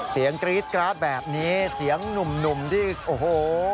เสียงกรี๊ดกร้าดแบบนี้เสียงนุ่มที่โอ้โฮ